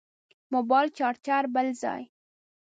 موبایل چارچر بل ځای.